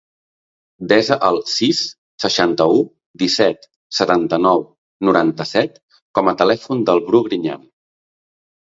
Desa el sis, seixanta-u, disset, setanta-nou, noranta-set com a telèfon del Bru Griñan.